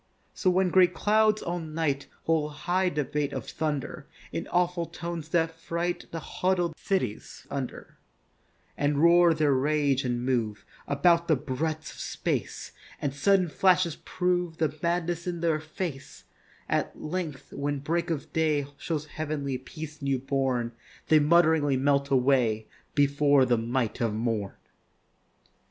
So when great clouds all night Hold high debate of thunder In awful tones that fright The huddled cities under; And roar their rage and move About the breadths of space, And sudden flashes prove The madness in their face; At length, when break of day Shows heav'nly peace newborn, They muttering melt away Before the might of morn.